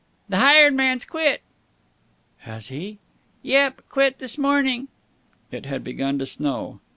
"The hired man's quit!" "Has he?" "Yep. Quit this morning." It had begun to snow.